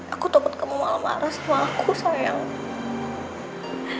aku takut kamu malah marah sama aku sayang